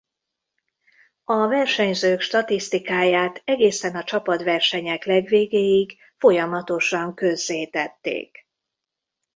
A versenyzők statisztikáját egészen a csapatversenyek legvégéig folyamatosan közzétették.